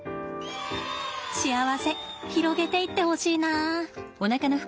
幸せ広げていってほしいな。